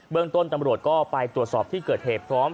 เรื่องต้นตำรวจก็ไปตรวจสอบที่เกิดเหตุพร้อม